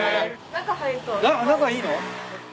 中いいの？